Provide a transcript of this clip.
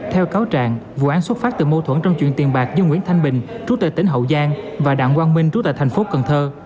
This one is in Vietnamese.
theo cáo trạng vụ án xuất phát từ mâu thuẫn trong chuyện tiền bạc giữa nguyễn thanh bình trú tại tỉnh hậu giang và đặng quang minh trú tại thành phố cần thơ